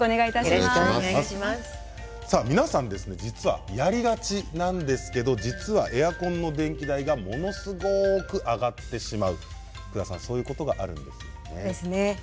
皆さん実はやりがちなんですけど実はエアコンの電気代がものすごく上がってしまうそういうことがあるんだそうですね。